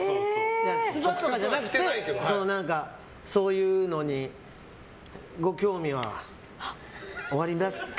出馬とかじゃなくてそういうのにご興味はおありですか？